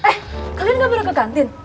eh kalian gak pernah ke kantin